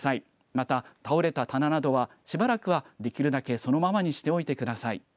また倒れた棚などはしばらくはできるだけそのままにしておいてください。